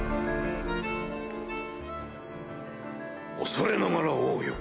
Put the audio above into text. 恐れながら王よ